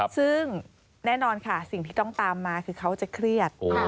ซึ่งแน่นอนค่ะสิ่งที่ต้องตามมาคือเขาจะเครียด